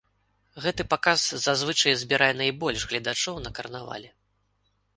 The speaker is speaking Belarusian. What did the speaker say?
Гэты паказ зазвычай збірае найбольш гледачоў на карнавале.